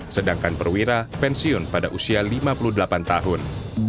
sedangkan perwira pensiun pada usia lima puluh delapan tahun